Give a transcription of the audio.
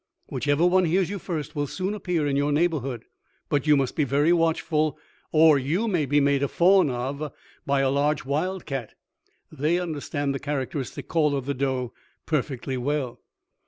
"Whichever one hears you first will soon appear in your neighborhood. But you must be very watchful, or you may be made a fawn of by a large wild cat. They understand the characteristic call of the doe perfectly well.